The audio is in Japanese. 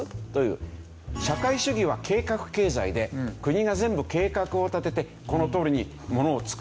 社会主義は計画経済で国が全部計画を立てて「このとおりに物を作れ」。